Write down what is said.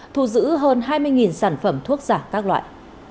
thu giữ hơn hai mươi sản phẩm thuốc giả các loại